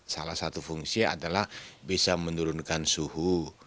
salah satu fungsi adalah bisa menurunkan suhu